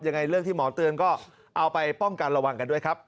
ยังไงเรื่องที่หมอเตือนก็เอาไปป้องกันระวังกันด้วยครับ